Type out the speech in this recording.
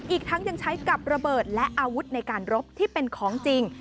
อีกทั้งยังใช้กับระเบิดและอาวุธในการรบที่เป็นของจริง